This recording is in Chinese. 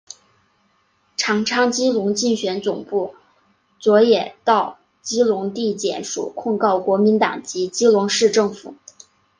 长昌基隆竞选总部昨也到基隆地检署控告国民党及基隆市政府。